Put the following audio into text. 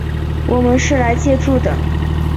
我们是来借住的